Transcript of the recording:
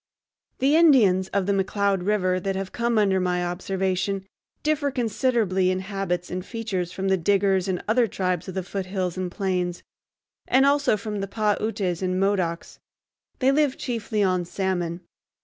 The Indians of the McCloud River that have come under my observation differ considerably in habits and features from the Diggers and other tribes of the foothills and plains, and also from the Pah Utes and Modocs. They live chiefly on salmon.